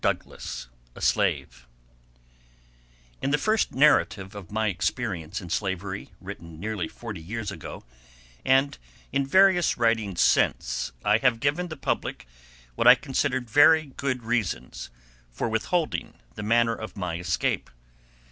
My Escape from Slavery In the first narrative of my experience in slavery, written nearly forty years ago, and in various writings since, I have given the public what I considered very good reasons for withholding the manner of my escape.